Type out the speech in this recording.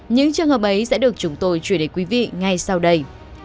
những trường hợp ấy sẽ được chúng tôi truyền đề quý vị ngay sau đây